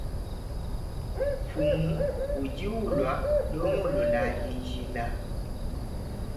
Mfumu udi ulua longololayi njila.